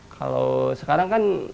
kalau sekarang kan